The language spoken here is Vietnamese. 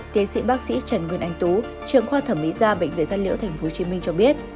tiến sĩ bác sĩ trần nguyên anh tú trường khoa thẩm mỹ gia bệnh viện gia liễu tp hcm cho biết